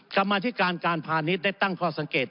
กลับมาที่การการพาณิชย์ได้ตั้งพอสังเกต